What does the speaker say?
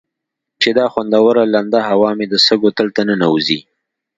چې دا خوندوره لنده هوا مې د سږو تل ته ننوځي.